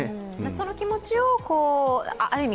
その気持ちをある意味